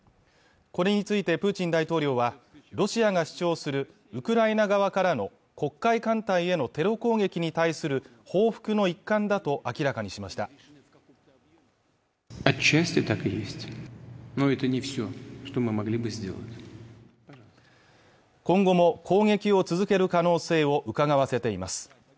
これについてプーチン大統領はロシアが主張するウクライナ側からの黒海艦隊へのテロ攻撃に対する報復の一環だと明らかにしました今後も攻撃を続ける可能性をうかがわせています